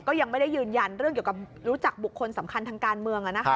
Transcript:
ก็ยังไม่ได้ยืนยันเรื่องเกี่ยวกับรู้จักบุคคลสำคัญทางการเมือง